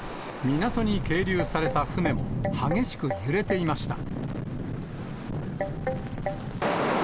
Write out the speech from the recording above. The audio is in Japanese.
港に係留された船も激しく揺れていました。